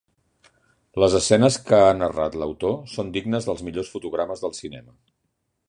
Les escenes que ha narrat l'autor són dignes dels millors fotogrames del cinema.